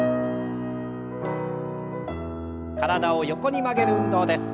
体を横に曲げる運動です。